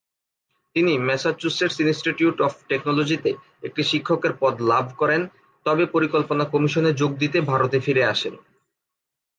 তিনি Massachusetts Institute of টেকনোলজিতে একটি শিক্ষকের পদ লাভ করেন তবে পরিকল্পনা কমিশনে যোগ দিতে ভারতে ফিরে আসেন।